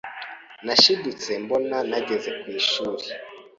nashidutse mbona nageze ku ishurili